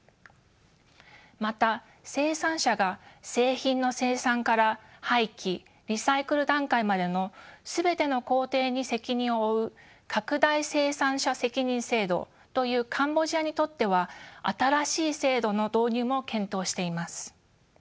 また生産者が製品の生産から廃棄リサイクル段階までの全ての工程に責任を負う拡大生産者責任制度というカンボジアにとっては新しい制度の導入も検討しています。